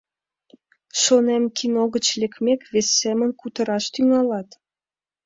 Шонем, кино гыч лекмек, вес семын кутыраш тӱҥалат.